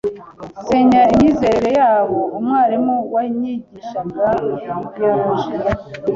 nsenya imyizerere yabo. umwalimu wanyigishaga biologie